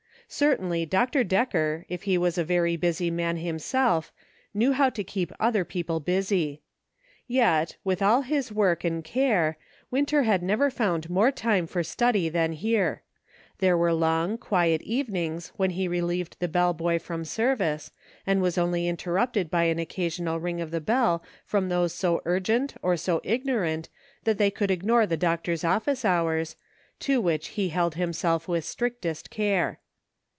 Certainly Dr. Decker, if he was a very busy man himself, knew how to keep other people busy. Yet, with all his work and care. Winter had never found more time for study than here ; there were long, quiet evenings when he relieved the bell boy from service, and was only interrupted by an occasional ring of the bell from 196 DIFFERING WORLDS. those so urgent or so ignorant that they could ignore the doctor's office hours, to which he held himself with strictest care.